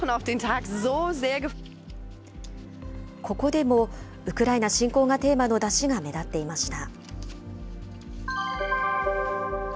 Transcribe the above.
ここでも、ウクライナ侵攻がテーマの山車が目立っていました。